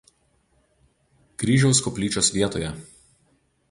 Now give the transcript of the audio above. Kryžiaus koplyčios vietoje.